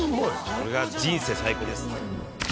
これが人生最高です